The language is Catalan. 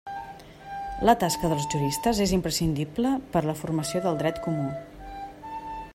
La tasca dels juristes és imprescindible per a la formació del dret comú.